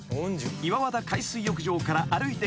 ［岩和田海水浴場から歩いて５分］